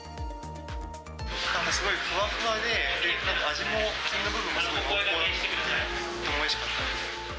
なんかすごいふわふわで、味も、黄身の部分がすごく濃厚だったので、おいしかったです。